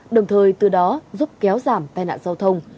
đồng thời từ đó giúp kéo giảm tai nạn giao thông